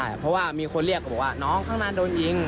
ใช่เพราะว่ามีคนเรียกก็บอกว่าน้องข้างหน้าโดนยิง